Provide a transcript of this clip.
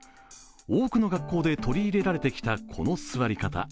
多くの学校で取り入れられてきたこの座り方。